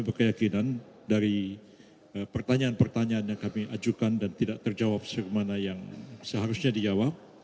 berkeyakinan dari pertanyaan pertanyaan yang kami ajukan dan tidak terjawab mana yang seharusnya dijawab